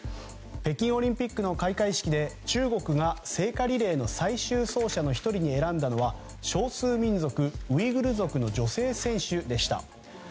北京オリンピックの開会式で中国が聖火リレーの最終走者に選んだのは少数民族ウイグル族の女性選手でした。